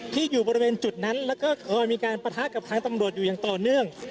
อยู่บริเวณจุดนั้นแล้วก็คอยมีการปะทะกับทางตำรวจอยู่อย่างต่อเนื่อง